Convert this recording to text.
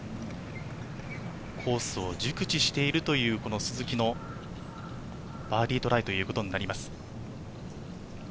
コースを熟知しているという鈴木のバーディートライになります。